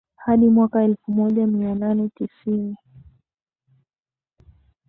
hadi mwaka elfu moja mia nane tisini